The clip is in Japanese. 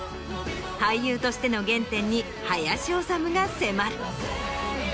俳優としての原点に林修が迫る。